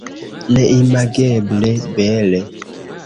Neimageble bele.